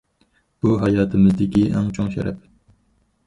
بۇ، ھاياتىمىزدىكى ئەڭ چوڭ شەرەپ.